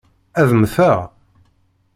Ad mmteɣ?